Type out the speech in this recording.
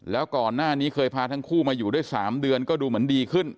แล้วก่อนหน้านี้เคยพาทั้งคู่มาอยู่ด้วย๓เดือนก็ดูเหมือนดีขึ้น